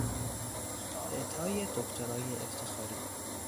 اعطای دکترای افتخاری